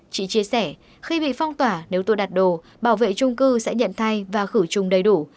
chị chia sẻ khi bị phong tỏa nếu tôi đặt đồ bảo vệ trung cư sẽ nhận thay và khử trùng đầy đủ